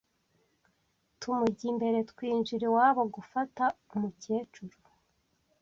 tumujya imbere twinjira iwabo gufata umukecuru